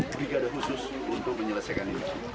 kami siapkan tiga dehusus untuk menyelesaikan ini